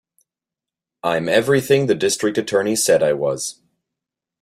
I'm everything the District Attorney said I was.